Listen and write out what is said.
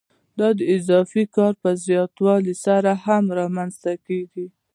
دا د اضافي کار په زیاتوالي سره هم رامنځته کېږي